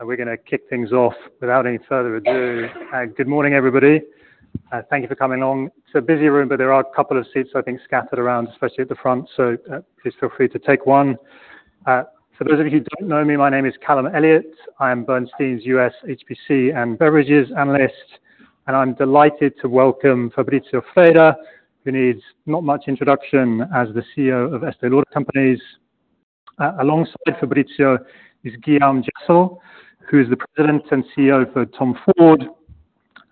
We're gonna kick things off without any further ado. Good morning, everybody. Thank you for coming along. It's a busy room, but there are a couple of seats, I think, scattered around, especially at the front, so please feel free to take one. For those of you who don't know me, my name is Callum Elliott. I am Bernstein's US HPC and Beverages analyst, and I'm delighted to welcome Fabrizio Freda, who needs not much introduction as the CEO of Estée Lauder Companies. Alongside Fabrizio is Guillaume Jesel, who is the president and CEO for Tom Ford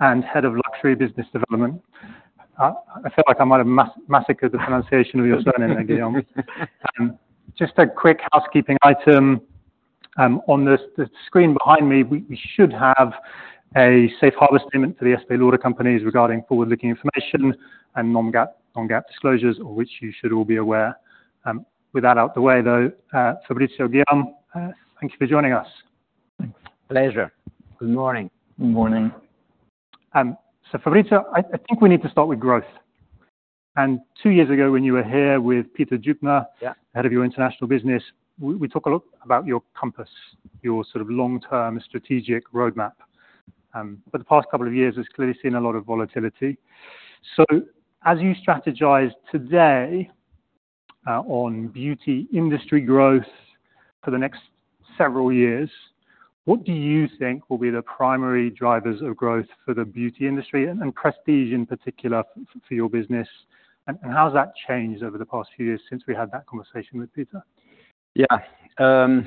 and head of Luxury Business Development. I feel like I might have massacred the pronunciation of your surname there, Guillaume. Just a quick housekeeping item, on this, the screen behind me, we should have a safe harbor statement for the Estée Lauder Companies regarding forward-looking information and non-GAAP disclosures, of which you should all be aware. With that out the way, Fabrizio, Guillaume, thank you for joining us. Thanks. Pleasure. Good morning. Good morning. So, Fabrizio, I think we need to start with growth. Two years ago, when you were here with Peter Jueptner— Yeah head of your international business, we talked a lot about your Compass, your sort of long-term strategic roadmap. But the past couple of years has clearly seen a lot of volatility. So as you strategize today, on beauty industry growth for the next several years, what do you think will be the primary drivers of growth for the beauty industry and, and prestige in particular for your business? And, and how has that changed over the past few years since we had that conversation with Peter? Yeah.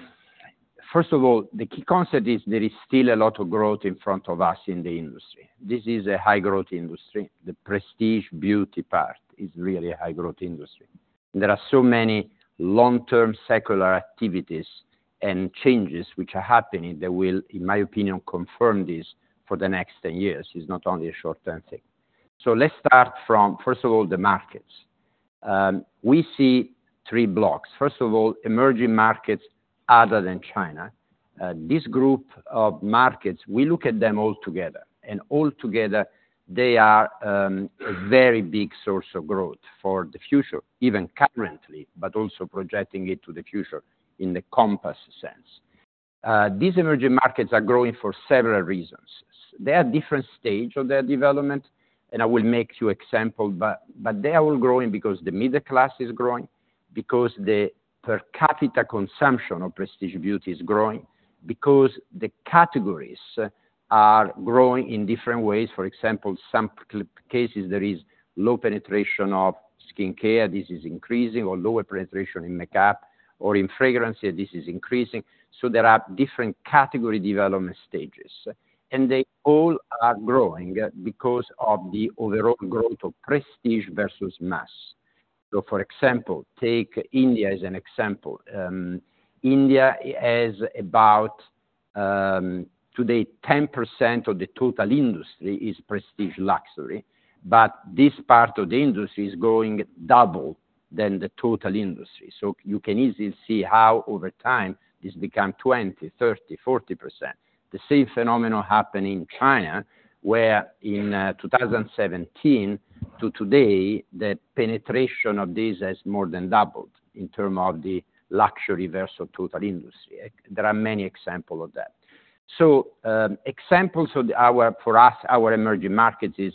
First of all, the key concept is there is still a lot of growth in front of us in the industry. This is a high-growth industry. The prestige beauty part is really a high-growth industry. There are so many long-term secular activities and changes which are happening that will, in my opinion, confirm this for the next 10 years. It's not only a short-term thing. So let's start from, first of all, the markets. We see 3 blocks. First of all, emerging markets other than China. This group of markets, we look at them all together, and altogether, they are a very big source of growth for the future, even currently, but also projecting it to the future in the Compass sense. These emerging markets are growing for several reasons. They are at different stage of their development, and I will make you example, but they are all growing because the middle class is growing, because the per capita consumption of prestige beauty is growing, because the categories are growing in different ways. For example, some cases there is low penetration of skincare. This is increasing or lower penetration in makeup or in fragrance. This is increasing. So there are different category development stages, and they all are growing because of the overall growth of prestige versus mass. So, for example, take India as an example. India has about, today, 10% of the total industry is prestige luxury, but this part of the industry is growing double than the total industry. So you can easily see how over time, this become 20%, 30%, 40%. The same phenomenon happened in China, where in 2017 to today, the penetration of this has more than doubled in term of the luxury versus total industry. There are many example of that. So, examples for us, our emerging markets is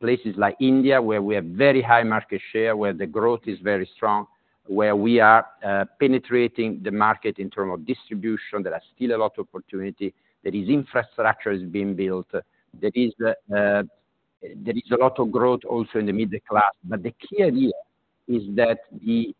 places like India, where we have very high market share, where the growth is very strong, where we are penetrating the market in term of distribution. There are still a lot of opportunity. There is infrastructure being built. There is a lot of growth also in the middle class. But the key idea is that the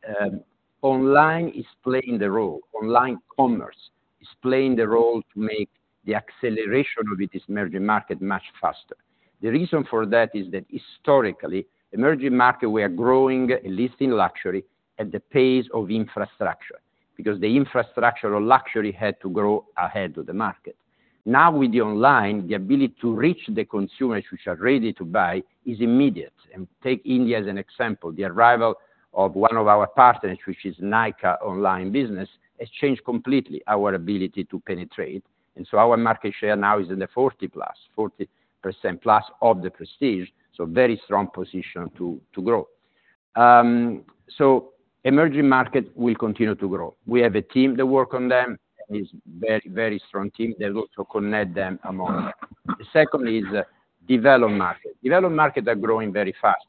online is playing the role. Online commerce is playing the role to make the acceleration of this emerging market much faster. The reason for that is that historically, emerging market, we are growing, at least in luxury, at the pace of infrastructure, because the infrastructure of luxury had to grow ahead of the market. Now, with the online, the ability to reach the consumers which are ready to buy is immediate. And take India as an example, the arrival of one of our partners, which is Nykaa online business, has changed completely our ability to penetrate. And so our market share now is in the 40 plus, 40% plus of the prestige, so very strong position to grow. So emerging markets will continue to grow. We have a team that work on them. It's very, very strong team. They look to connect them among. The second is developed market. Developed market are growing very fast.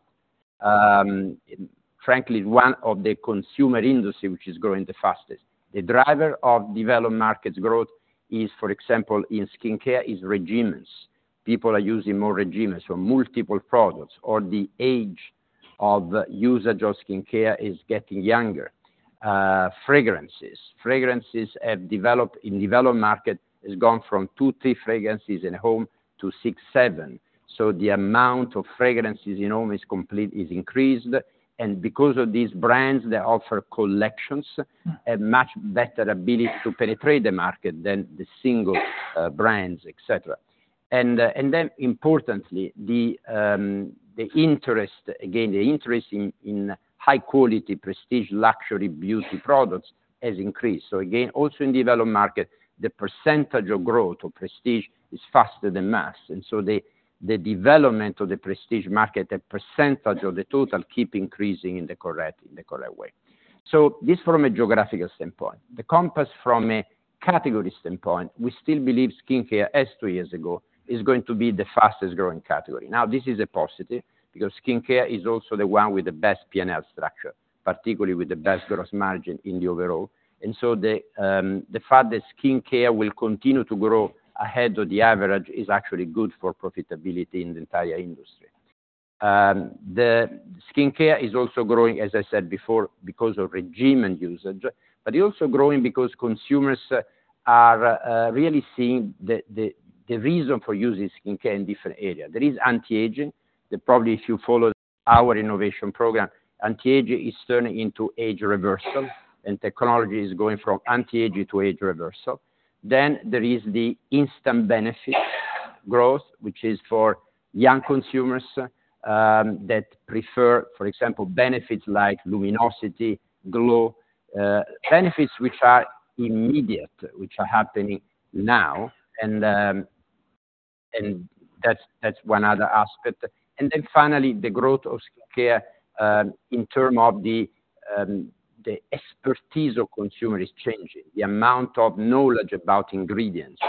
Frankly, one of the consumer industry which is growing the fastest. The driver of developed markets growth is, for example, in skincare, is regimens. People are using more regimens, so multiple products, or the age of usage of skincare is getting younger. Fragrances. Fragrances have developed, in developed market, has gone from 2-3 fragrances in a home to 6-7. So the amount of fragrances in home is increased, and because of these brands that offer collections, a much better ability to penetrate the market than the single, brands, etcetera. And, and then importantly, the, the interest, again, the interest in, in high-quality, prestige, luxury beauty products has increased. So again, also in developed market, the percentage of growth of prestige is faster than mass. And so the, the development of the prestige market, the percentage of the total, keep increasing in the correct, in the correct way. So this from a geographical standpoint. The Compass from category standpoint, we still believe skincare, as two years ago, is going to be the fastest growing category. Now, this is a positive, because skincare is also the one with the best P&L structure, particularly with the best gross margin in the overall. And so the fact that skincare will continue to grow ahead of the average is actually good for profitability in the entire industry. The skincare is also growing, as I said before, because of regimen usage, but it also growing because consumers are really seeing the reason for using skincare in different area. There is anti-aging, that probably if you follow our innovation program, anti-aging is turning into age reversal, and technology is going from anti-aging to age reversal. Then there is the instant benefit growth, which is for young consumers that prefer, for example, benefits like luminosity, glow, benefits which are immediate, which are happening now, and that's one other aspect. And then finally, the growth of skincare in terms of the expertise of consumer is changing. The amount of knowledge about ingredients.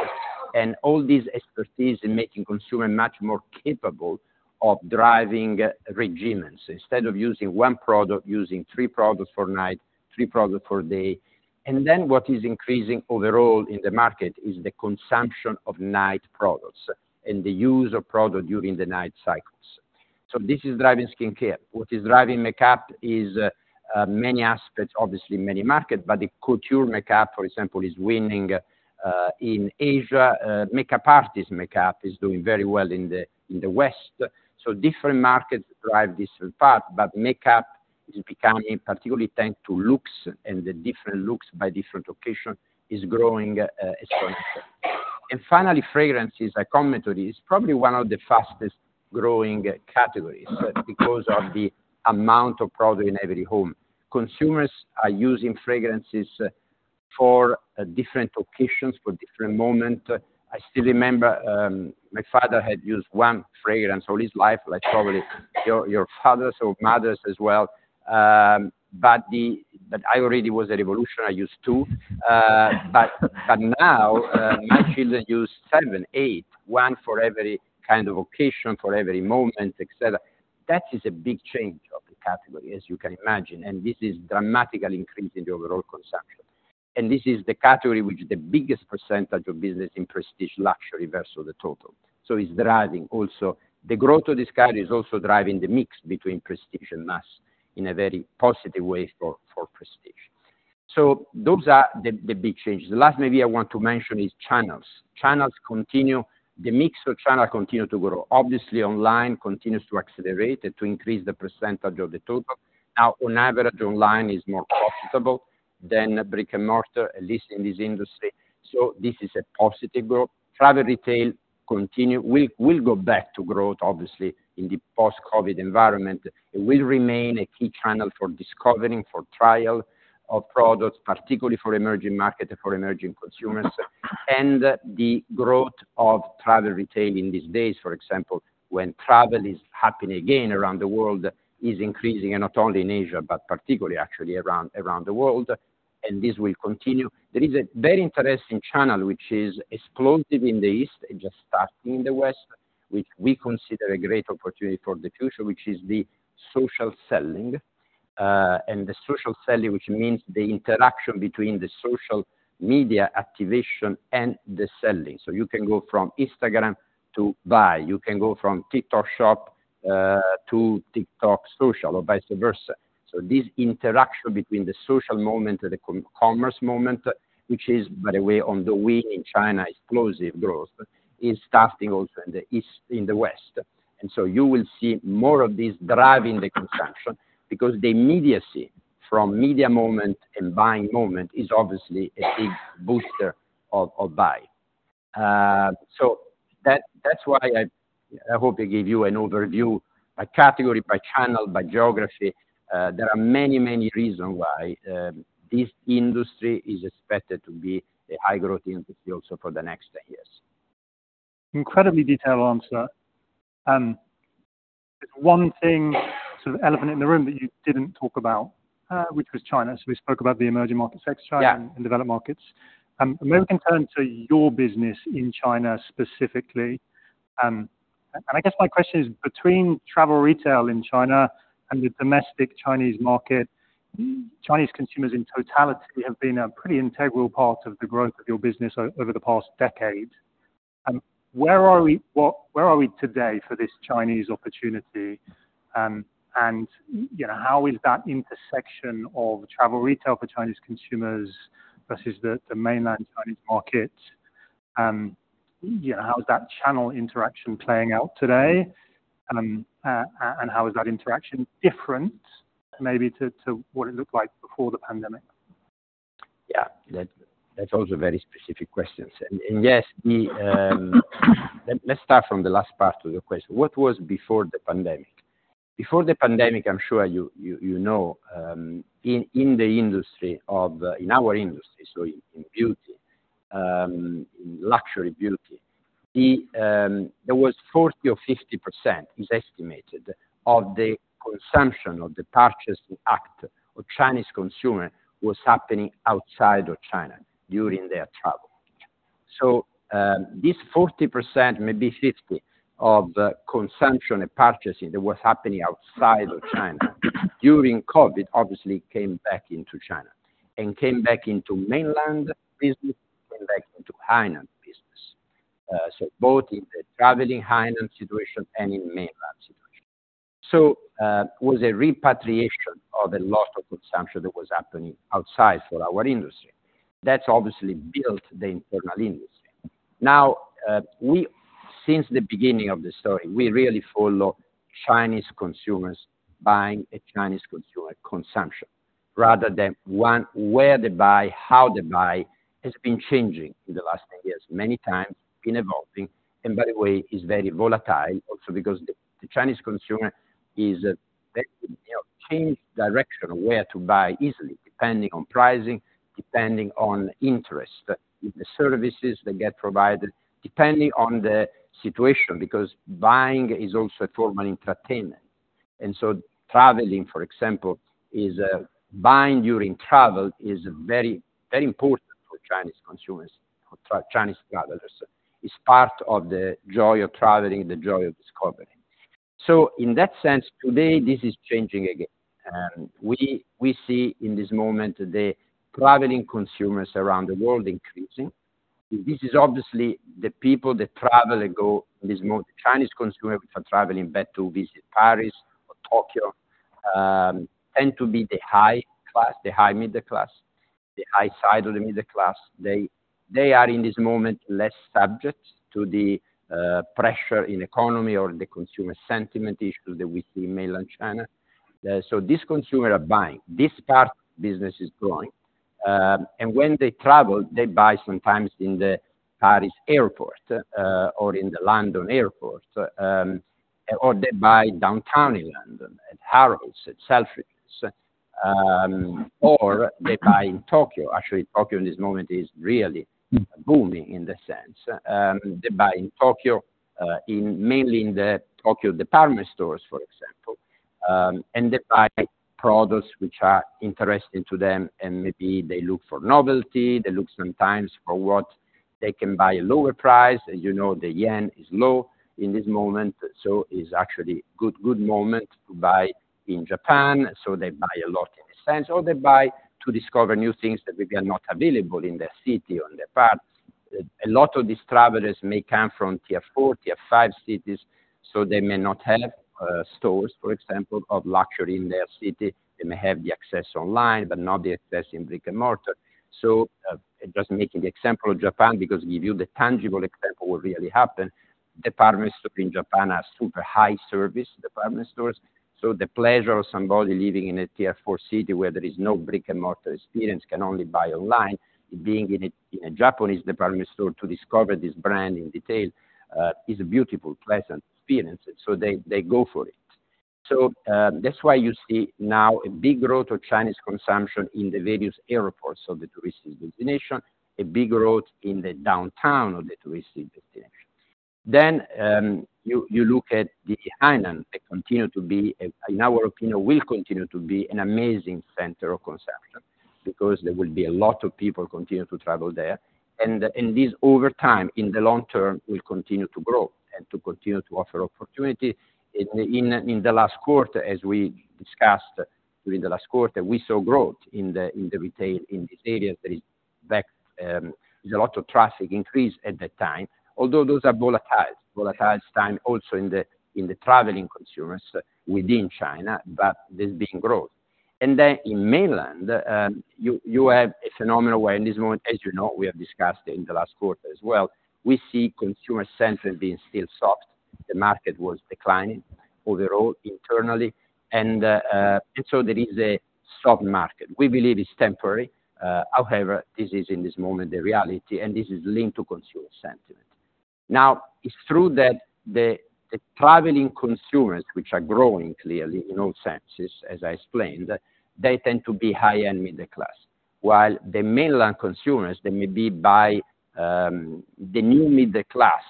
And all these expertise in making consumer much more capable of driving regimens. Instead of using one product, using three products for night, three products for day. And then what is increasing overall in the market is the consumption of night products and the use of product during the night cycles. So this is driving skincare. What is driving makeup is many aspects, obviously many markets, but the couture makeup, for example, is winning in Asia. Makeup artist makeup is doing very well in the West. So different markets drive different parts, but makeup is becoming particularly thanks to looks, and the different looks by different location is growing exponentially. And finally, fragrances, I comment on this, is probably one of the fastest growing categories because of the amount of product in every home. Consumers are using fragrances for different occasions, for different moment. I still remember, my father had used one fragrance all his life, like probably your fathers or mothers as well. But I already was a revolutionary, I used two. But now, my children use seven, eight, one for every kind of occasion, for every moment, et cetera. That is a big change of the category, as you can imagine, and this is dramatically increasing the overall consumption. This is the category which is the biggest percentage of business in prestige, luxury versus the total. So it's driving also. The growth of this category is also driving the mix between prestige and mass in a very positive way for, for prestige. So those are the, the big changes. The last maybe I want to mention is channels. Channels continue... The mix of channel continue to grow. Obviously, online continues to accelerate, to increase the percentage of the total. Now, on average, online is more profitable than brick-and-mortar, at least in this industry, so this is a positive growth. Travel Retail continue. We will go back to growth, obviously, in the post-COVID environment. It will remain a key channel for discovering, for trial of products, particularly for emerging markets and for emerging consumers. The growth of Travel Retail in these days, for example, when travel is happening again around the world, is increasing, and not only in Asia, but particularly actually around the world, and this will continue. There is a very interesting channel, which is explosive in the East and just starting in the West, which we consider a great opportunity for the future, which is the social selling. And the social selling, which means the interaction between the social media activation and the selling. So you can go from Instagram to buy. You can go from TikTok Shop to TikTok social, or vice versa. So this interaction between the social moment and the commerce moment, which is, by the way, on the way in China, explosive growth, is starting also in the East, in the West. And so you will see more of this driving the consumption, because the immediacy from media moment and buying moment is obviously a big booster of buy. So that's why I hope I gave you an overview, by category, by channel, by geography. There are many, many reasons why this industry is expected to be a high growth industry also for the next 10 years. Incredibly detailed answer. There's one thing, sort of elephant in the room, that you didn't talk about, which was China. So we spoke about the emerging markets- Yeah. and developed markets. Maybe we can turn to your business in China, specifically. And I guess my question is, between Travel Retail in China and the domestic Chinese market, Chinese consumers in totality have been a pretty integral part of the growth of your business over the past decade. Where are we today for this Chinese opportunity? And, you know, how is that intersection of Travel Retail for Chinese consumers versus the Mainland Chinese market, you know, how is that channel interaction playing out today? And how is that interaction different maybe to what it looked like before the pandemic? Yeah, that's also a very specific question. And yes, let's start from the last part of the question. What was before the pandemic? Before the pandemic, I'm sure you know, in our industry, so in beauty, in luxury beauty. There was 40% or 50%, it is estimated, of the consumption of the purchasing act of Chinese consumer was happening outside of China during their travel. So, this 40%, maybe 50%, of consumption and purchasing that was happening outside of China during COVID, obviously came back into China, and came back into Mainland business, and came back into Hainan business. So both in the traveling Hainan situation and in Mainland situation. So, it was a repatriation of a lot of consumption that was happening outside for our industry. That's obviously built the internal industry. Now, we since the beginning of the story, we really follow Chinese consumers buying a Chinese consumer consumption, rather than one where they buy, how they buy, has been changing in the last 10 years, many times been evolving, and by the way, is very volatile also because the, the Chinese consumer is, they, you know, change direction of where to buy easily, depending on pricing, depending on interest, if the services they get provided, depending on the situation, because buying is also a form of entertainment. And so traveling, for example, is buying during travel is very, very important for Chinese consumers, for Chinese travelers. It's part of the joy of traveling, the joy of discovery. So in that sense, today, this is changing again. And we, we see in this moment, the traveling consumers around the world increasing. This is obviously the people that travel, that go, this more the Chinese consumer, which are traveling back to visit Paris or Tokyo, tend to be the high class, the high middle class, the high side of the middle class. They, they are, in this moment, less subject to the pressure in economy or the consumer sentiment issues that we see in Mainland China. So this consumer are buying. This part, business is growing. And when they travel, they buy sometimes in the Paris airport, or in the London airport, or they buy downtown in London, at Harrods, at Selfridges, or they buy in Tokyo. Actually, Tokyo in this moment is really booming in the sense. They buy in Tokyo, mainly in the Tokyo department stores, for example, and they buy products which are interesting to them, and maybe they look for novelty, they look sometimes for what they can buy a lower price. As you know, the yen is low in this moment, so it's actually good moment to buy in Japan, so they buy a lot in a sense, or they buy to discover new things that maybe are not available in their city or in their parts. A lot of these travelers may come from tier four, tier five cities, so they may not have stores, for example, of luxury in their city. They may have the access online, but not the access in brick-and-mortar. So, just making the example of Japan, because give you the tangible example of what really happened. Department stores in Japan are super high service department stores, so the pleasure of somebody living in a tier four city where there is no brick-and-mortar experience, can only buy online, being in a Japanese department store to discover this brand in detail, is a beautiful, pleasant experience, so they, they go for it. So, that's why you see now a big growth of Chinese consumption in the various airports of the touristic destination, a big growth in the downtown of the touristic destination. Then, you look at the Hainan, that continue to be, in our opinion, will continue to be an amazing center of consumption, because there will be a lot of people continue to travel there. And this, over time, in the long term, will continue to grow and to continue to offer opportunity. In the last quarter, as we discussed during the last quarter, we saw growth in the retail in this area, that is back. There's a lot of traffic increase at that time, although those are volatile. Volatile time also in the traveling consumers within China, but there's been growth. Then in Mainland, you have a phenomenal way. In this moment, as you know, we have discussed in the last quarter as well, we see consumer sentiment being still soft. The market was declining overall, internally, and so there is a soft market. We believe it's temporary, however, this is in this moment, the reality, and this is linked to consumer sentiment. Now, it's true that the traveling consumers, which are growing clearly in all senses, as I explained, they tend to be high-end middle class, while the Mainland consumers, they may be by the new middle class.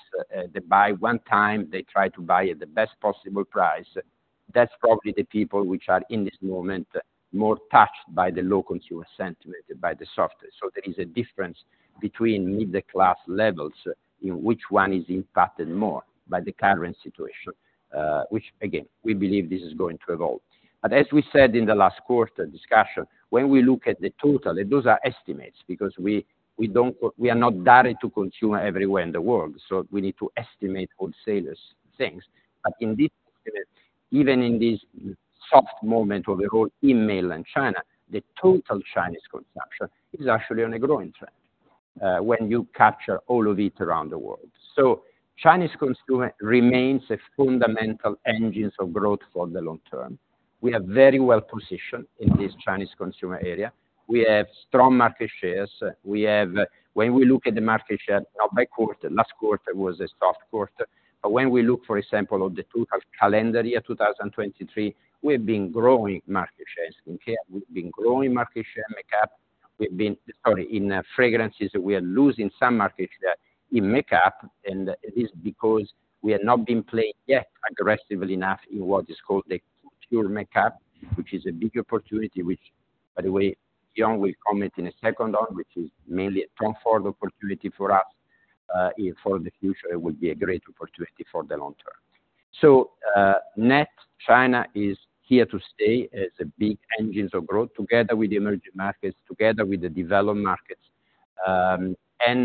They buy one time, they try to buy at the best possible price. That's probably the people which are, in this moment, more touched by the low consumer sentiment, by the soft. So there is a difference between middle class levels, in which one is impacted more by the current situation, which again, we believe this is going to evolve. But as we said in the last quarter discussion, when we look at the total, and those are estimates, because we are not direct to consumer everywhere in the world, so we need to estimate wholesalers things. But in this estimate, even in this soft moment of the whole, in Mainland China, the total Chinese consumption is actually on a growing trend, when you capture all of it around the world. So Chinese consumer remains a fundamental engines of growth for the long term. We are very well positioned in this Chinese consumer area. We have strong market shares. We have, when we look at the market share, now by quarter, last quarter was a soft quarter. But when we look, for example, on the total calendar year, 2023, we've been growing market shares in care, we've been growing market share in makeup.... we've been, sorry, in fragrances, we are losing some markets there in makeup, and it is because we have not been playing yet aggressively enough in what is called the pure makeup, which is a big opportunity, which by the way, Guillaume will comment in a second on, which is mainly a Tom Ford opportunity for us. For the future, it will be a great opportunity for the long term. So, net, China is here to stay as a big engines of growth, together with the emerging markets, together with the developed markets. And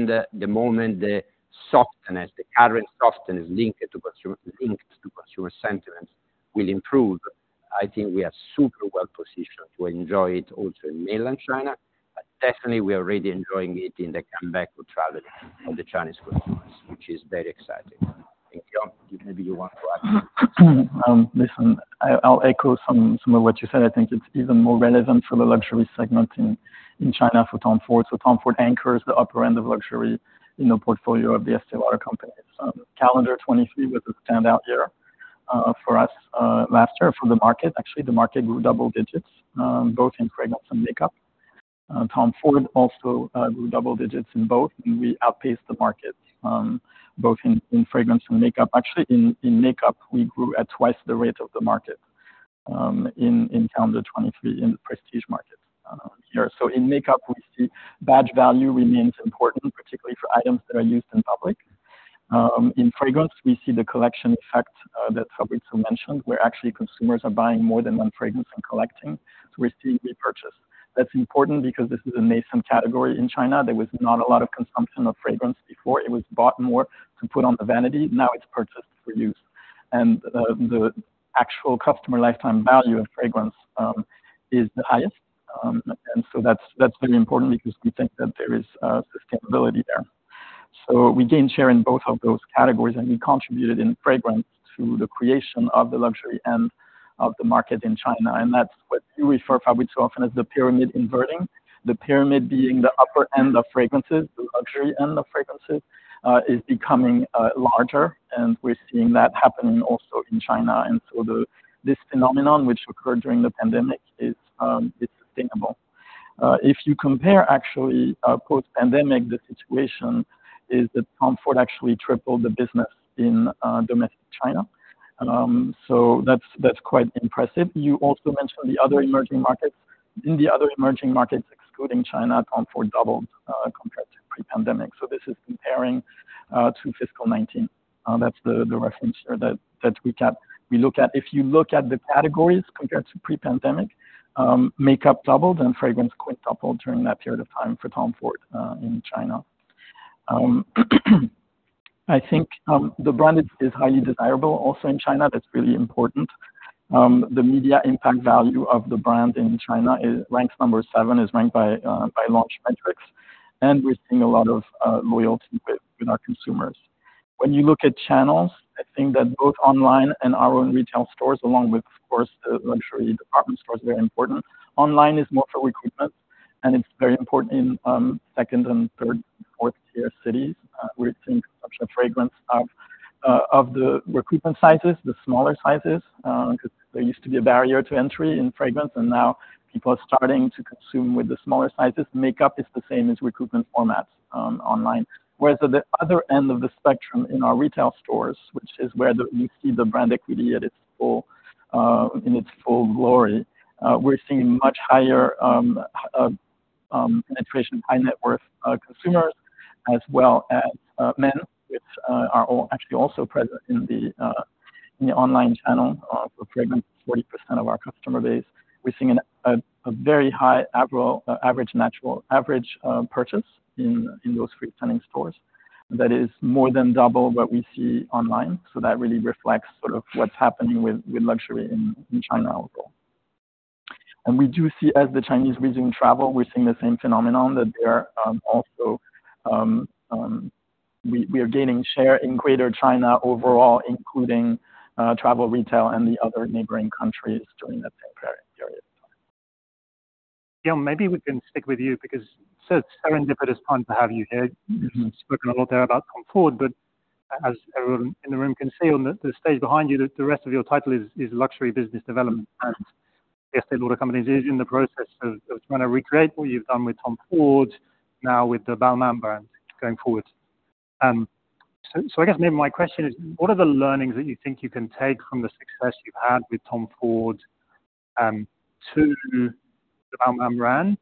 the moment the softness, the current softness linked to consumer sentiments will improve, I think we are super well positioned to enjoy it also in Mainland China, but definitely we are already enjoying it in the comeback of travel of the Chinese consumers, which is very exciting. Thank you. Maybe you want to add? Listen, I'll echo some of what you said. I think it's even more relevant for the luxury segment in China for Tom Ford. So Tom Ford anchors the upper end of luxury in the portfolio of the Estée Lauder Company. So calendar 2023 was a standout year for us last year for the market. Actually, the market grew double digits both in fragrance and makeup. Tom Ford also grew double digits in both, and we outpaced the market both in fragrance and makeup. Actually, in makeup, we grew at twice the rate of the market in calendar 2023 in the prestige market year. So in makeup, we see badge value remains important, particularly for items that are used in public. In fragrance, we see the collection effect that Fabrizio mentioned, where actually consumers are buying more than one fragrance and collecting. So we're seeing repurchase. That's important because this is a nascent category in China. There was not a lot of consumption of fragrance before. It was bought more to put on the vanity. Now it's purchased for use. And the actual customer lifetime value of fragrance is the highest. And so that's very important because we think that there is sustainability there. So we gain share in both of those categories, and we contributed in fragrance to the creation of the luxury end of the market in China, and that's what we refer, Fabrizio, often as the pyramid inverting. The pyramid being the upper end of fragrances, the luxury end of fragrances, is becoming larger, and we're seeing that happening also in China. So this phenomenon, which occurred during the pandemic, is sustainable. If you compare actually, post-pandemic, the situation is that Tom Ford actually tripled the business in domestic China. So that's quite impressive. You also mentioned the other emerging markets. In the other emerging markets, excluding China, Tom Ford doubled compared to pre-pandemic. So this is comparing to fiscal 2019. That's the reference there that we kept. If you look at the categories compared to pre-pandemic, makeup doubled and fragrance quintupled during that period of time for Tom Ford in China. I think the brand is highly desirable also in China. That's really important. The Media Impact Value of the brand in China is ranked number 7 by Launchmetrics, and we're seeing a lot of loyalty with our consumers. When you look at channels, I think that both online and our own retail stores, along with, of course, the luxury department stores, are very important. Online is more for recruitment, and it's very important in second and third, fourth tier cities, where we're seeing consumption of fragrance of the recruitment sizes, the smaller sizes, because there used to be a barrier to entry in fragrance, and now people are starting to consume with the smaller sizes. Makeup is the same as recruitment formats online. Whereas at the other end of the spectrum in our retail stores, which is where you see the brand equity at its full, in its full glory, we're seeing much higher penetration of high-net-worth consumers, as well as men, which are actually also present in the online channel, for fragrance, 40% of our customer base. We're seeing a very high average natural, average purchase in those freestanding stores. That is more than double what we see online, so that really reflects sort of what's happening with luxury in China overall. We do see, as the Chinese resume travel, we're seeing the same phenomenon, that they are also we are gaining share in Greater China overall, including Travel Retail, and the other neighboring countries during that same period time. Guillaume, maybe we can stick with you because it's a serendipitous time to have you here. You've spoken a lot there about Tom Ford, but as everyone in the room can see on the stage behind you, the rest of your title is Luxury Business Development. Estée Lauder Companies is in the process of trying to recreate what you've done with Tom Ford now with the Balmain brand going forward. So, I guess maybe my question is, what are the learnings that you think you can take from the success you've had with Tom Ford to the Balmain brand?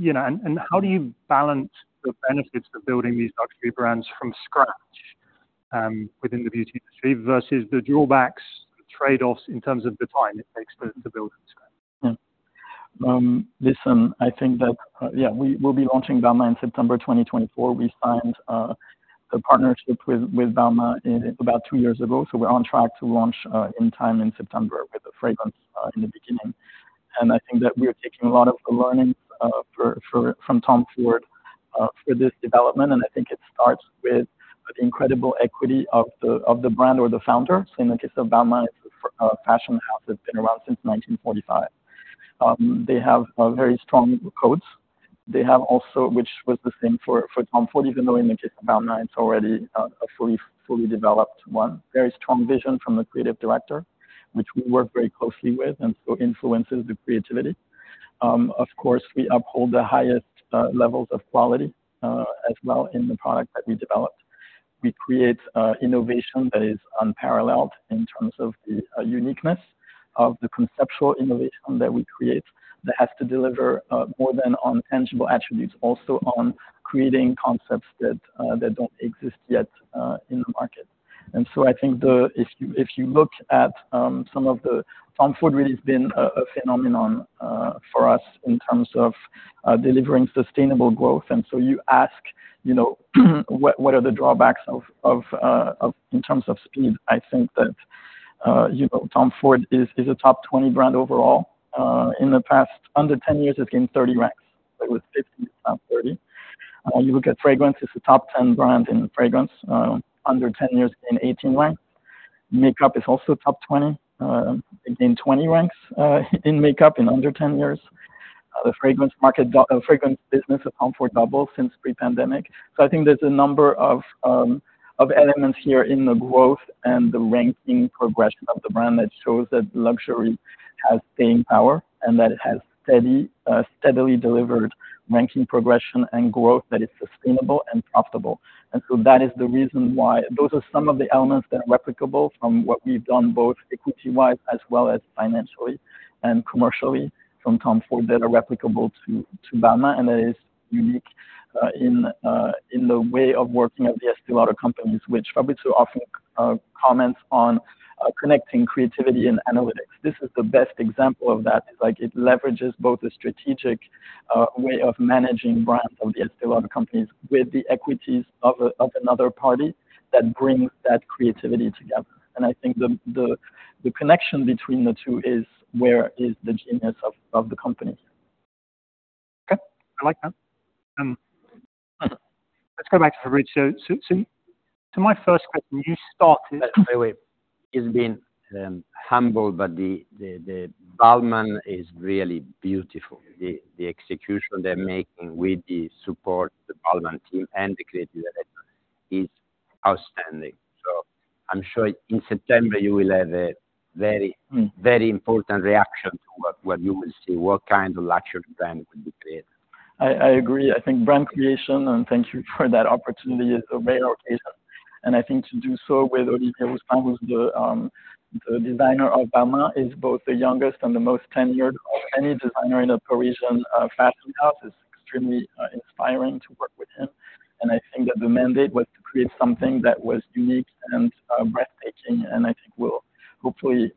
You know, how do you balance the benefits of building these luxury brands from scratch, within the beauty industry versus the drawbacks, trade-offs in terms of the time it takes to build from scratch? Listen, I think that, yeah, we will be launching Balmain in September 2024. We signed the partnership with Balmain in about two years ago, so we're on track to launch in time in September with the fragrance in the beginning. I think that we are taking a lot of the learnings from Tom Ford for this development, and I think it starts with the incredible equity of the brand or the founder. So in the case of Balmain, it's a fashion house that's been around since 1945. They have very strong codes. They have also, which was the same for Tom Ford, even though in the case of Balmain, it's already a fully developed one. Very strong vision from the creative director, which we work very closely with, and so influences the creativity. Of course, we uphold the highest levels of quality, as well, in the product that we developed. We create innovation that is unparalleled in terms of the uniqueness of the conceptual innovation that we create, that has to deliver more than on tangible attributes, also on creating concepts that that don't exist yet in the market. And so I think if you, if you look at some of the Tom Ford really has been a phenomenon for us in terms of delivering sustainable growth. And so you ask, you know, what, what are the drawbacks of in terms of speed? I think that you know, Tom Ford is a top 20 brand overall. In the past under 10 years, it's been 30 ranks. It was 15, now 30. You look at fragrance, it's a top 10 brand in fragrance, under 10 years in 18 ranks. Makeup is also top 20, in 20 ranks, in makeup in under 10 years. Fragrance business accounts for double since pre-pandemic. So I think there's a number of elements here in the growth and the ranking progression of the brand that shows that luxury has staying power, and that it has steadily delivered ranking progression and growth that is sustainable and profitable. So that is the reason why. Those are some of the elements that are replicable from what we've done, both equity-wise as well as financially and commercially, from Tom Ford, that are replicable to Balmain. That is unique in the way of working at the Estée Lauder Companies, which Fabrizio often comments on, connecting creativity and analytics. This is the best example of that. It's like it leverages both the strategic way of managing brands of the Estée Lauder Companies with the equities of another party that brings that creativity together. And I think the connection between the two is where the genius of the company. Okay, I like that. Let's go back to Fabrizio. So, my first question, you started- By the way, he's being humble, but the Balmain is really beautiful. The execution they're making with the support, the Balmain team and the creative director is outstanding. So I'm sure in September you will have a very- Very important reaction to what you will see, what kind of luxury brand will be created. I agree. I think brand creation, and thank you for that opportunity, is a rare occasion. I think to do so with Olivier Rousteing, who's the designer of Balmain, is both the youngest and the most tenured of any designer in a Parisian fashion house. It's extremely inspiring to work with him. I think that the mandate was to create something that was unique and breathtaking, and I think we'll hopefully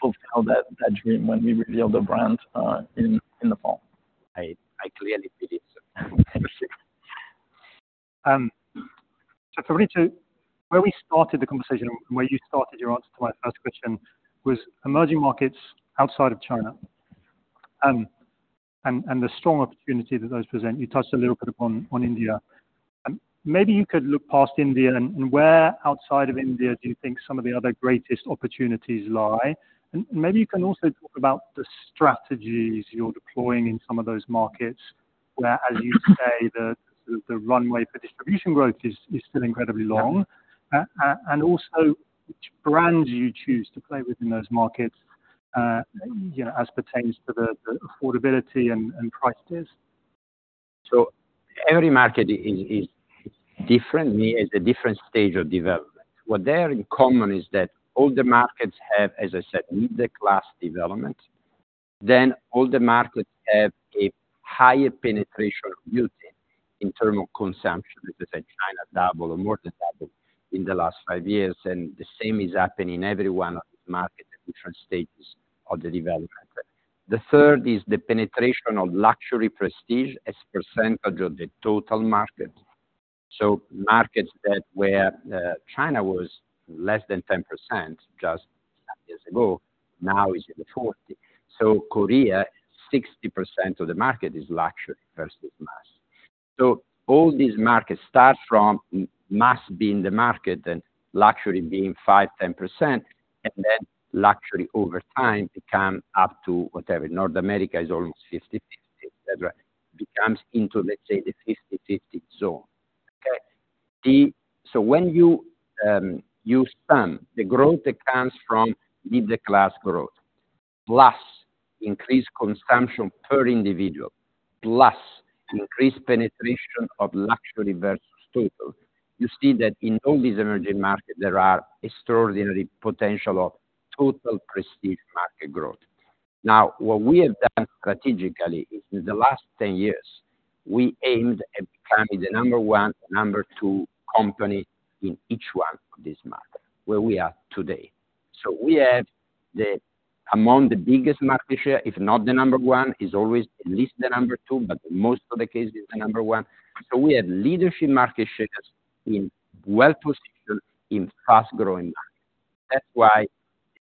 fulfill that dream when we reveal the brand in the fall. I clearly believe so. Thank you. So Fabrizio, where we started the conversation and where you started your answer to my first question, was emerging markets outside of China, and the strong opportunity that those present, you touched a little bit upon India. Maybe you could look past India, and where outside of India do you think some of the other greatest opportunities lie? And maybe you can also talk about the strategies you're deploying in some of those markets, where, as you say, the runway for distribution growth is still incredibly long. And also, which brands you choose to play with in those markets, you know, as pertains to the affordability and price tiers. So every market is different, a different stage of development. What they have in common is that all the markets have, as I said, middle class development. Then all the markets have a higher penetration of beauty in terms of consumption. As I said, China double or more than double in the last 5 years, and the same is happening in every one of the market, different stages of the development. The third is the penetration of luxury prestige as percentage of the total market. So markets that were, China was less than 10% just a few years ago, now is in the 40. So Korea, 60% of the market is luxury versus mass. So all these markets start from mass being the market and luxury being 5, 10%, and then luxury over time become up to whatever. North America is almost 50/50, et cetera. Becomes into, let's say, the 50/50 zone. Okay, so when you span, the growth comes from middle class growth, plus increased consumption per individual, plus increased penetration of luxury versus total. You see that in all these emerging markets, there are extraordinary potential of total prestige market growth. Now, what we have done strategically is in the last 10 years, we aimed at becoming the number one, number two company in each one of this market, where we are today. So we have among the biggest market share, if not the number one, is always at least the number two, but in most of the cases, the number one. So we have leadership market shares in well-positioned, in fast-growing markets. That's why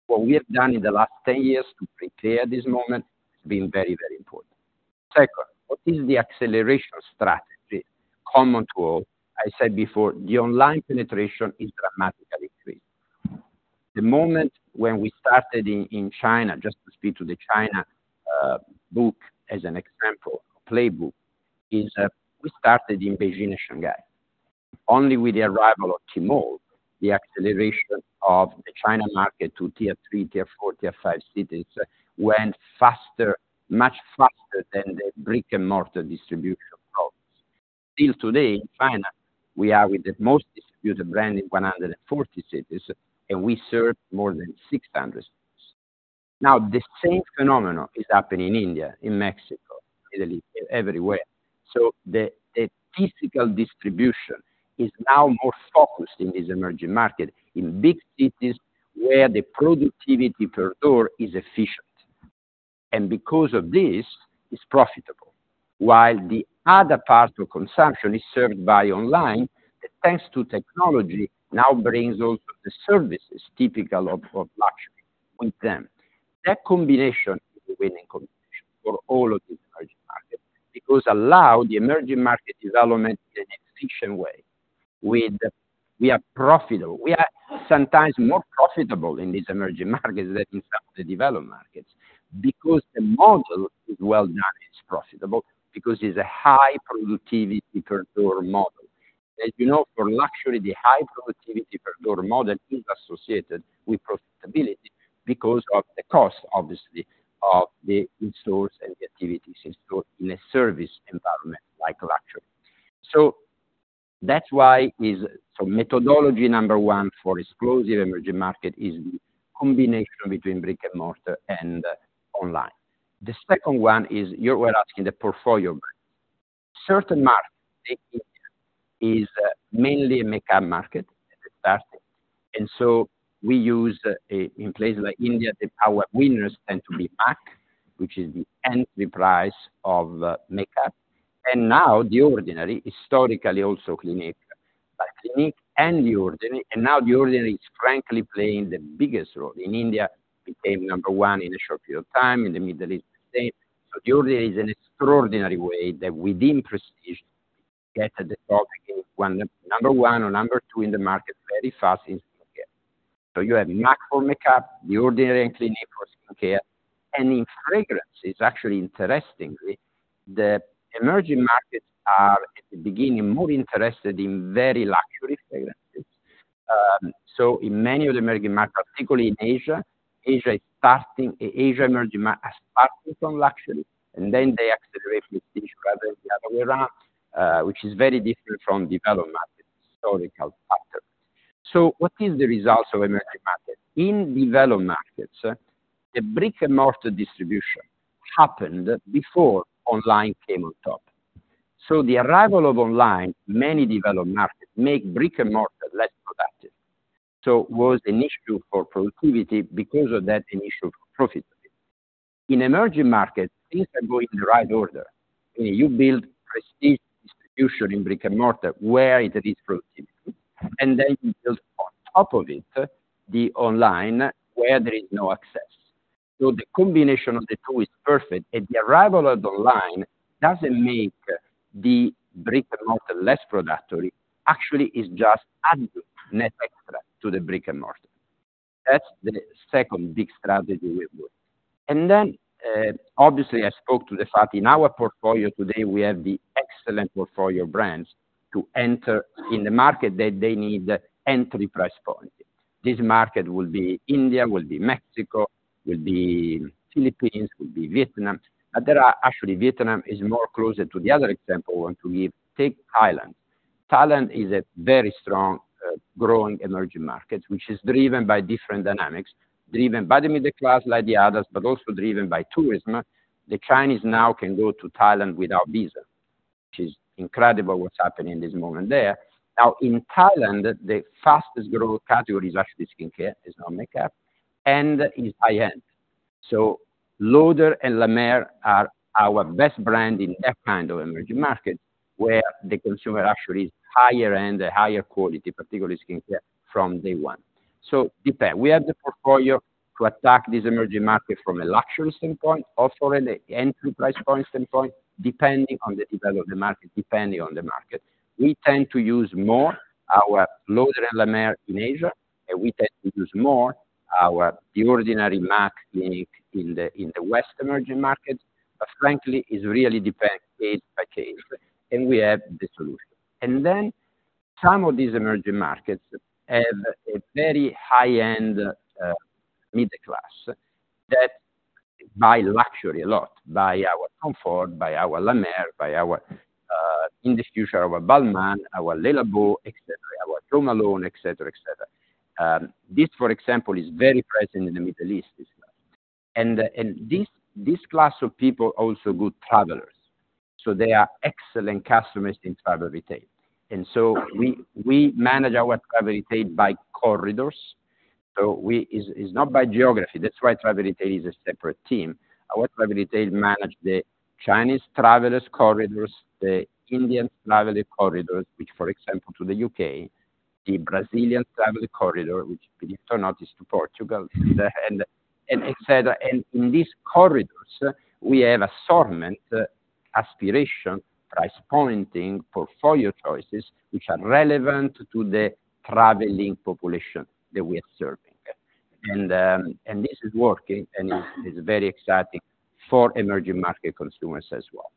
what we have done in the last 10 years to prepare this moment has been very, very important. Second, what is the acceleration strategy? Common to all, I said before, the online penetration is dramatically increased. The moment when we started in China, just to speak to the China playbook as an example, we started in Beijing and Shanghai. Only with the arrival of Tmall the acceleration of the China market to tier three, tier four, tier five cities went faster, much faster than the brick-and-mortar distribution problems. Till today, in China, we are with the most distributed brand in 140 cities, and we serve more than 600 stores. Now, the same phenomenon is happening in India, in Mexico, Italy, everywhere. So the physical distribution is now more focused in these emerging markets, in big cities where the productivity per door is efficient. And because of this, it's profitable, while the other part of consumption is served by online, thanks to technology, now brings also the services typical of luxury with them. That combination is a winning combination for all of these emerging markets, because it allow the emerging market development in an efficient way. We are profitable. We are sometimes more profitable in these emerging markets than in some of the developed markets, because the model is well-managed profitable, because it's a high productivity per door model. As you know, for luxury, the high productivity per door model is associated with profitability because of the cost, obviously, of the in-stores and the activities in-store in a service environment like luxury. So that's why is... So methodology number one for exclusive emerging market is the combination between brick-and-mortar and online. The second one is, you're well asking, the portfolio brand. Certain markets, take India, is mainly a makeup market at the start. And so we use, in places like India, that our winners tend to be M.A.C, which is the entry price of makeup. And now The Ordinary, historically, also Clinique. But Clinique and The Ordinary, and now The Ordinary is frankly playing the biggest role. In India, became number one in a short period of time, in the Middle East, the same. So The Ordinary is an extraordinary way that within prestige, get the product in one, number one or number two in the market very fast in skincare. So you have M.A.C. for makeup, The Ordinary and Clinique for skincare, and in fragrances, actually, interestingly, the emerging markets are at the beginning more interested in very luxury fragrances. So in many of the emerging markets, particularly in Asia, Asia emerging market has started from luxury, and then they accelerate with prestige rather than the other way around, which is very different from developed markets historical patterns. So what is the results of emerging markets? In developed markets, the brick-and-mortar distribution happened before online came on top. So the arrival of online, many developed markets, make brick-and-mortar less productive. So it was an issue for productivity because of that, an issue for profitability. In emerging markets, things are going in the right order. You build prestige distribution in brick-and-mortar where there is productivity, and then you build on top of it, the online, where there is no access. So the combination of the two is perfect, and the arrival of online doesn't make the brick-and-mortar less productive, actually, it's just adding net extra to the brick-and-mortar. That's the second big strategy we're doing. And then, obviously, I spoke to the fact in our portfolio today, we have the excellent portfolio brands to enter in the market that they need entry price points. This market will be India, will be Mexico, will be Philippines, will be Vietnam. Actually, Vietnam is more closer to the other example I want to give. Take Thailand. Thailand is a very strong, growing emerging market, which is driven by different dynamics, driven by the middle class like the others, but also driven by tourism. The Chinese now can go to Thailand without visa, which is incredible what's happening in this moment there. Now, in Thailand, the fastest-growing category is actually skincare; it's not makeup, and it's high-end. So Lauder and La Mer are our best brand in that kind of emerging market, where the consumer actually is higher end, higher quality, particularly skincare from day one. So depend. We have the portfolio to attack this emerging market from a luxury standpoint, also in the entry price point standpoint, depending on the development of the market, depending on the market. We tend to use more our Lauder and La Mer in Asia, and we tend to use more our The Ordinary, M.A.C, Clinique, in the West emerging markets, but frankly, it really depends case by case, and we have the solution. And then some of these emerging markets have a very high-end middle class that buy luxury a lot, buy our Tom Ford, buy our La Mer, buy our, in the future, our Balmain, our Le Labo, et cetera, our Jo Malone, et cetera, et cetera. This, for example, is very present in the Middle East. And this class of people are also good travelers, so they are excellent customers in Travel Retail. And so we manage our Travel Retail by corridors. So it's not by geography, that's why Travel Retail is a separate team. Our Travel Retail manage the Chinese travelers corridors, the Indian traveler corridors, which, for example, to the U.K., the Brazilian traveler corridor, which believe it or not, is to Portugal, and et cetera. In these corridors, we have assortment, aspiration, price pointing, portfolio choices, which are relevant to the traveling population that we are serving. And this is working, and it's very exciting for emerging market consumers as well.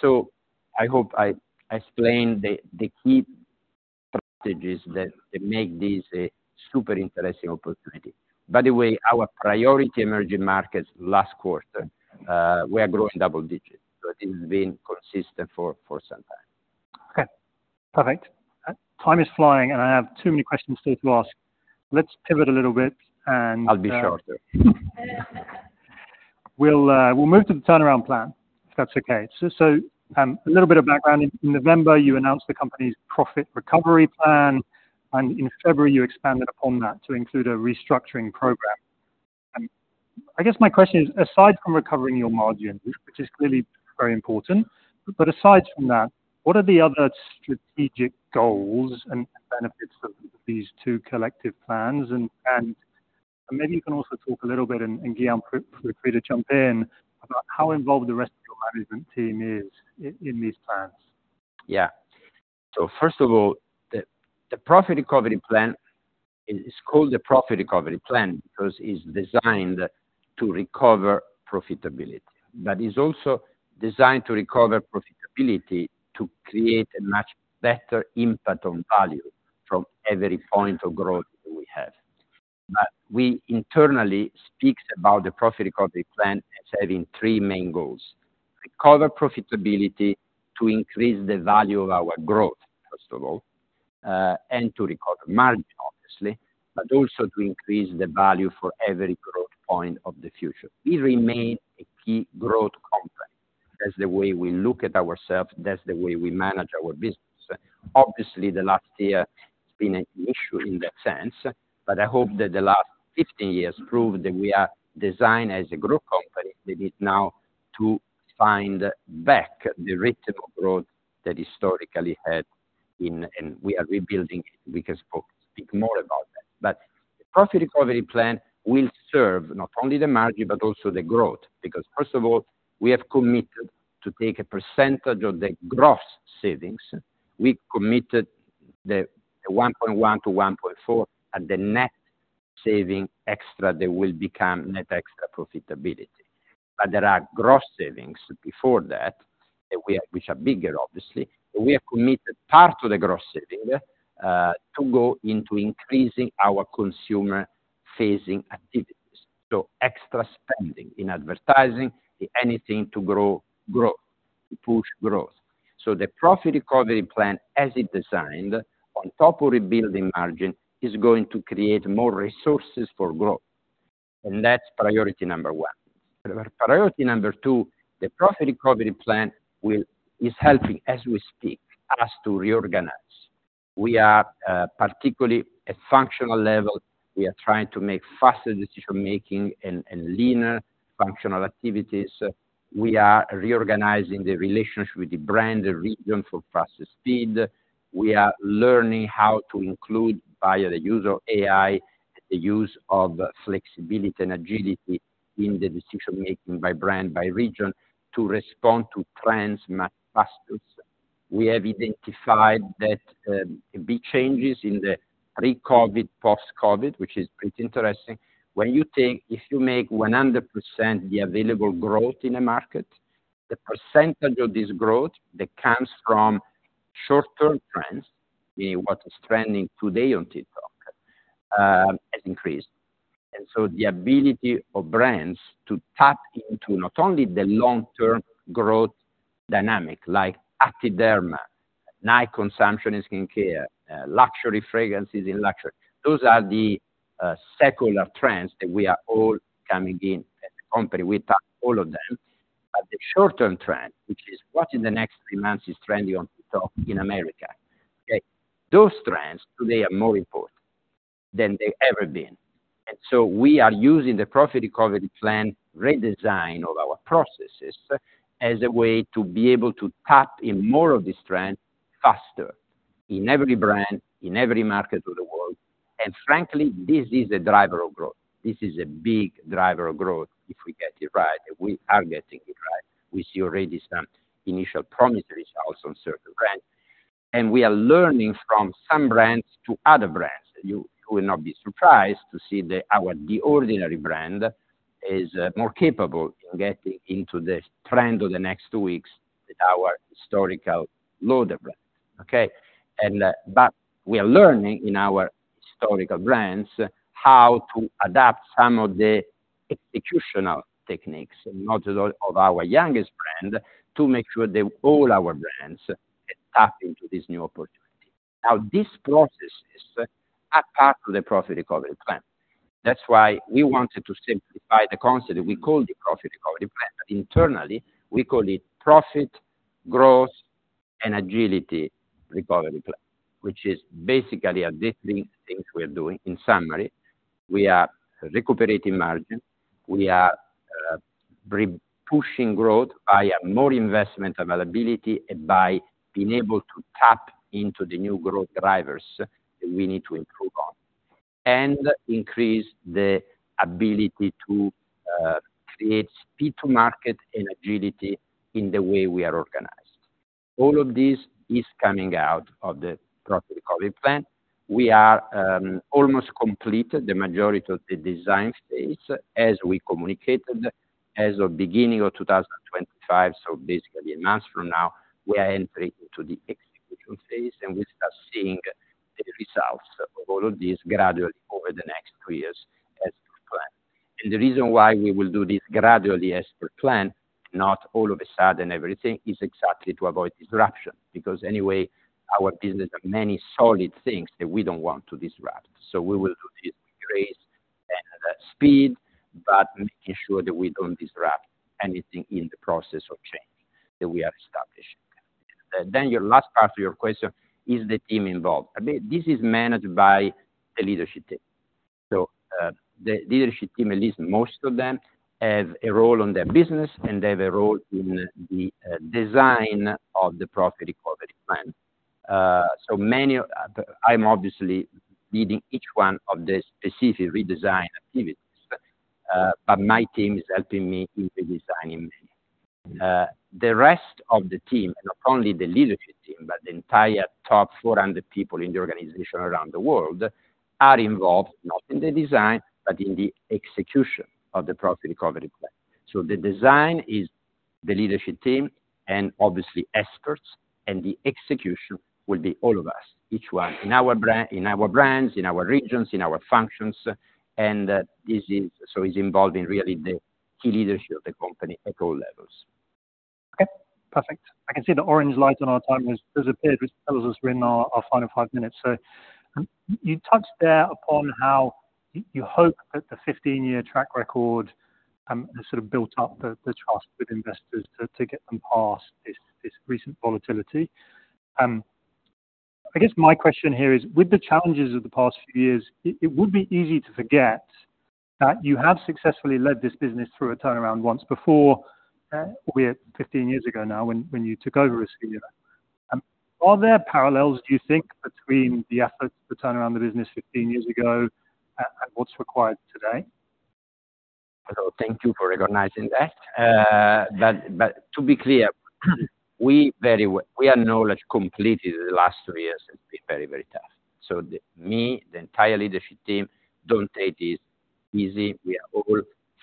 So I hope I explained the key strategies that make this a super interesting opportunity. By the way, our priority emerging markets last quarter, we are growing double digits, so this has been consistent for some time. Okay, perfect. Time is flying, and I have too many questions still to ask. Let's pivot a little bit, and... I'll be shorter. We'll, we'll move to the turnaround plan, if that's okay. So, so, a little bit of background. In November, you announced the company's Profit Recovery Plan, and in February, you expanded upon that to include a restructuring program. I guess my question is, aside from recovering your margin, which is clearly very important, but aside from that, what are the other strategic goals and benefits of these two collective plans? And, and maybe you can also talk a little bit, and, and Guillaume, feel free to jump in, about how involved the rest of your management team is in, in these plans. Yeah. So first of all, the Profit Recovery Plan is called the Profit Recovery Plan because it's designed to recover profitability. But it's also designed to recover profitability to create a much better impact on value from every point of growth we have. But we internally speaks about the Profit Recovery Plan as having three main goals: recover profitability to increase the value of our growth, first of all, and to recover margin, obviously, but also to increase the value for every growth point of the future. We remain a key growth company. That's the way we look at ourselves, that's the way we manage our business. Obviously, the last year has been an issue in that sense, but I hope that the last 15 years proved that we are designed as a growth company that is now to find back the rate of growth that historically had in... And we are rebuilding, we can speak more about that. But the Profit Recovery Plan will serve not only the margin, but also the growth, because, first of all, we have committed to take a percentage of the gross savings. We committed the 1.1 to 1.4, and the net saving extra, they will become net extra profitability. But there are gross savings before that, that we are, which are bigger, obviously. We have committed part of the gross saving to go into increasing our consumer-facing activities. So extra spending in advertising, anything to grow growth, to push growth. So the Profit Recovery Plann, as it designed, on top of rebuilding margin, is going to create more resources for growth, and that's priority number one. Priority number two, the Profit Recovery Plan is helping, as we speak, us to reorganize. We are particularly at functional level, we are trying to make faster decision-making and leaner functional activities. We are reorganizing the relationship with the brand and region for faster speed. We are learning how to include, via the use of AI, the use of flexibility and agility in the decision-making by brand, by region, to respond to trends much faster. We have identified that big changes in the pre-COVID, post-COVID, which is pretty interesting. When you think, if you make 100% the available growth in a market, the percentage of this growth that comes from short-term trends, meaning what is trending today on TikTok, has increased. And so the ability of brands to tap into not only the long-term growth dynamic, like active derm, night consumption and skincare, luxury fragrances in luxury. Those are the secular trends that we are all coming in as a company. We tap all of them. But the short-term trend, which is what in the next three months, is trending on TikTok in America, okay? Those trends today are more important than they've ever been. And so we are using the Profit Recovery Plan redesign of our processes as a way to be able to tap in more of this trend faster in every brand, in every market of the world. Frankly, this is a driver of growth. This is a big driver of growth if we get it right, and we are getting it right. We see already some initial promising results on certain brands, and we are learning from some brands to other brands. You will not be surprised to see that our The Ordinary brand is more capable in getting into the trend of the next two weeks than our heritage legacy brand. Okay, and but we are learning in our heritage brands how to adapt some of the executional techniques, not only of our youngest brand, to make sure that all our brands tap into this new opportunity. Now, these processes are part of the Profit Recovery Plan. That's why we wanted to simplify the concept, and we call it Profit Recovery Plan. Internally, we call it Profit, Growth, and Agility Recovery Plan, which is basically are these things we are doing. In summary, we are recuperating margin, we are re-pushing growth by more investment availability and by being able to tap into the new growth drivers that we need to improve on, and increase the ability to create speed to market and agility in the way we are organized. All of this is coming out of the Profit Recovery Plan. We are almost complete, the majority of the design phase, as we communicated as of beginning of 2025, so basically a month from now, we are entering into the execution phase, and we start seeing the results of all of this gradually over the next three years as per plan. The reason why we will do this gradually as per plan, not all of a sudden, everything, is exactly to avoid disruption, because anyway, our business are many solid things that we don't want to disrupt. So we will do this with grace and speed, but making sure that we don't disrupt anything in the process of changing that we are establishing. Then your last part of your question, is the team involved? I mean, this is managed by the leadership team. So, the leadership team, at least most of them, have a role on their business, and they have a role in the design of the Profit Recovery Plan. I'm obviously leading each one of the specific redesign activities, but my team is helping me in the designing many. The rest of the team, not only the leadership team, but the entire top 400 people in the organization around the world, are involved, not in the design, but in the execution of the Profit Recovery Plan. So the design is the leadership team, and obviously experts, and the execution will be all of us, each one in our brand, in our brands, in our regions, in our functions, and this is, so it's involved in really the key leadership of the company at all levels. Okay, perfect. I can see the orange light on our time has appeared, which tells us we're in our final 5 minutes. So, you touched there upon how you hope that the 15-year track record has sort of built up the trust with investors to get them past this recent volatility. I guess my question here is, with the challenges of the past few years, it would be easy to forget that you have successfully led this business through a turnaround once before, were 15 years ago now, when you took over as CEO. Are there parallels, do you think, between the efforts to turn around the business 15 years ago, and what's required today? So thank you for recognizing that. But to be clear, we very well. We acknowledge completely the last three years has been very, very tough. So me, the entire leadership team, don't take this easy. We are all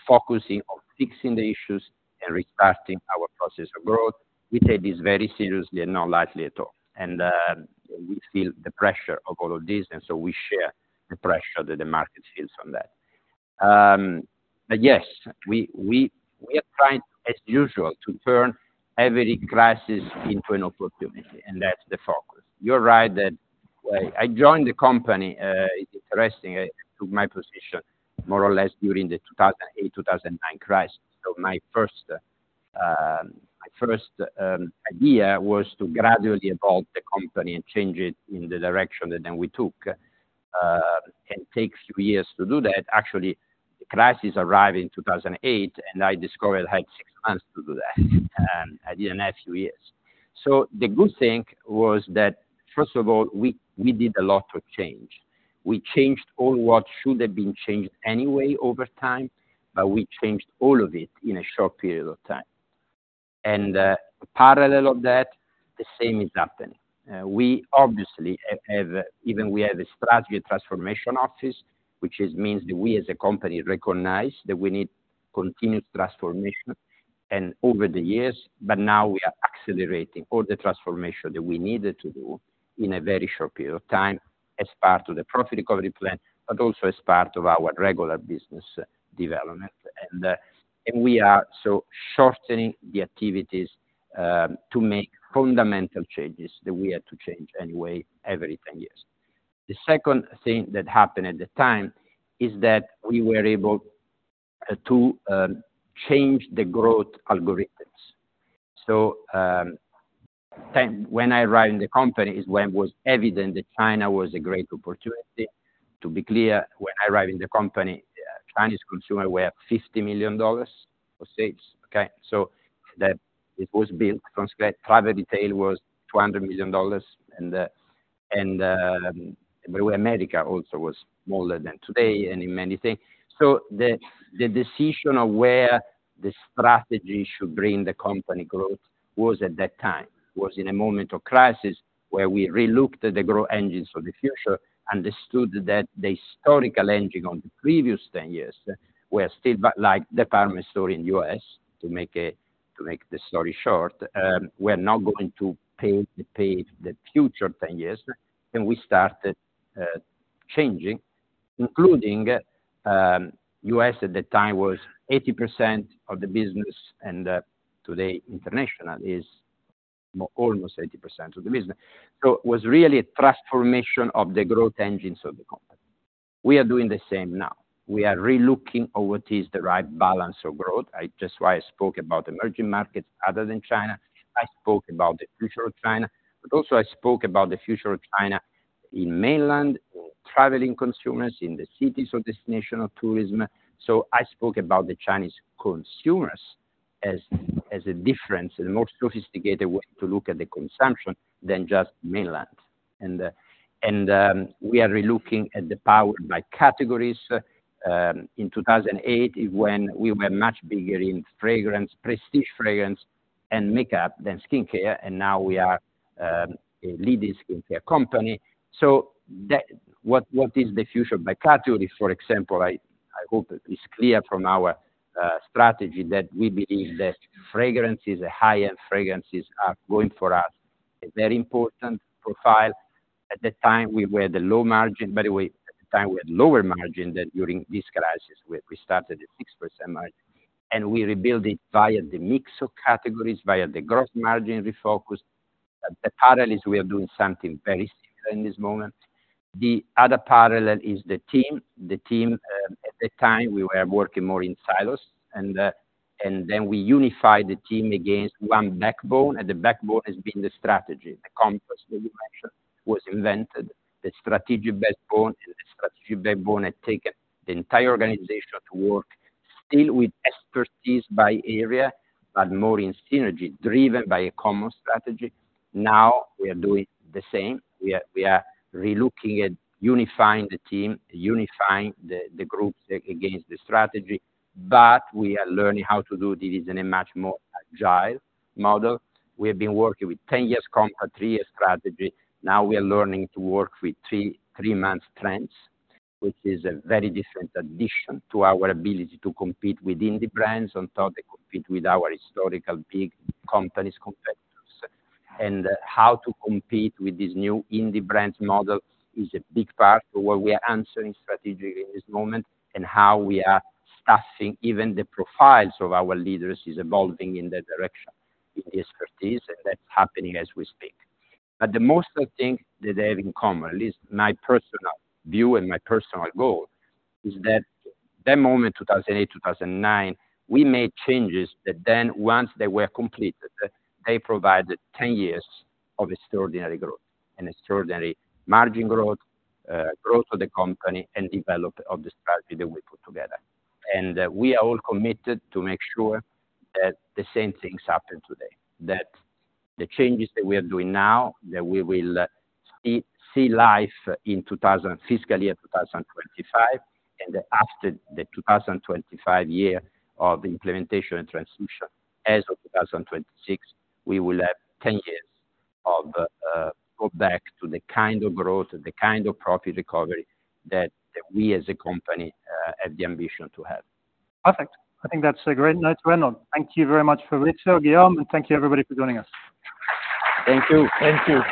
focusing on fixing the issues and restarting our process of growth. We take this very seriously and not lightly at all. We feel the pressure of all of this, and so we share the pressure that the market feels from that. But yes, we are trying, as usual, to turn every crisis into an opportunity, and that's the focus. You're right that I joined the company, it's interesting, I took my position more or less during the 2008, 2009 crisis. So my first idea was to gradually evolve the company and change it in the direction that then we took. And takes two years to do that. Actually, the crisis arrived in 2008, and I discovered I had six months to do that. I didn't have two years. So the good thing was that, first of all, we did a lot of change. We changed all what should have been changed anyway over time, but we changed all of it in a short period of time. And parallel of that, the same is happening. We obviously have, even we have a Strategy and Transformation Office, which means that we as a company recognize that we need continuous transformation and over the years, but now we are accelerating all the transformation that we needed to do in a very short period of time as part of the Profit Recovery Plan, but also as part of our regular business development. And we are shortening the activities to make fundamental changes that we had to change anyway, every 10 years. The second thing that happened at the time is that we were able to change the growth algorithms. When I arrived in the company is when it was evident that China was a great opportunity. To be clear, when I arrived in the company, Chinese consumer were at $50 million of sales. Okay? So that it was built from scratch. Travel Retail was $200 million, but America also was smaller than today and in many things. So the decision of where the strategy should bring the company growth was at that time, was in a moment of crisis, where we relooked at the growth engines of the future, understood that the historical engine on the previous 10 years were still, but like department store in U.S., to make the story short, we're not going to play the future 10 years, and we started changing, including, U.S. at the time was 80% of the business, and today, international is almost 80% of the business. So it was really a transformation of the growth engines of the company. We are doing the same now. We are relooking over what is the right balance of growth. Why I spoke about emerging markets other than China. I spoke about the future of China, but also I spoke about the future of China in Mainland, in traveling consumers, in the cities of destination of tourism. So I spoke about the Chinese consumers as a different and more sophisticated way to look at the consumption than just Mainland. And, and, we are relooking at the power by categories. In 2008, is when we were much bigger in fragrance, prestige fragrance, and makeup than skincare, and now we are a leading skincare company. So what is the future by category, for example, I hope it is clear from our strategy that we believe that fragrances, high-end fragrances, are going for us a very important profile. At the time, we were the low margin. By the way, at the time, we had lower margin than during this crisis, where we started at 6% margin, and we rebuild it via the mix of categories, via the gross margin refocused. The parallel is we are doing something very similar in this moment. The other parallel is the team. The team, at that time, we were working more in silos, and then we unified the team against one backbone, and the backbone has been the strategy. The Compass that you mentioned was invented, the strategic backbone, and the strategic backbone had taken the entire organization to work still with expertise by area, but more in synergy, driven by a common strategy. Now we are doing the same. We are relooking at unifying the team, unifying the groups against the strategy, but we are learning how to do this in a much more agile model. We have been working with 10-Year Compass, 3-year strategy. Now we are learning to work with 3-month trends, which is a very different addition to our ability to compete with indie brands, on top of compete with our historical big companies, competitors. And how to compete with these new indie brands models is a big part of what we are answering strategically in this moment, and how we are staffing even the profiles of our leaders is evolving in that direction, in the expertise, and that's happening as we speak. But the most, I think, that they have in common, at least my personal view and my personal goal, is that that moment, 2008, 2009, we made changes that then once they were completed, they provided 10 years of extraordinary growth and extraordinary margin growth, growth of the company, and development of the strategy that we put together. And we are all committed to make sure that the same things happen today, that the changes that we are doing now, that we will see life in fiscal year 2025, and after the 2025 year of implementation and transmission, as of 2026, we will have 10 years of go back to the kind of growth and the kind of profit recovery that we as a company have the ambition to have. Perfect. I think that's a great note to end on. Thank you very much, Fabrizio, Guillaume, and thank you, everybody, for joining us. Thank you. Thank you.